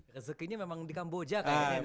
rezekinya memang di kamboja